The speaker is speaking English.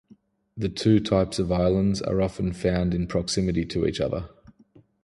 The two types of islands are often found in proximity to each other.